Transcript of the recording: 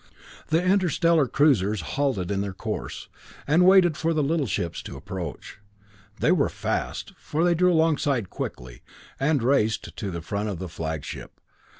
The interstellar cruisers halted in their course, and waited for the little ships to approach. They were fast, for they drew alongside quickly, and raced to the front of the flagship.